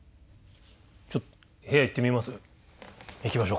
ちょっと部屋行ってみます？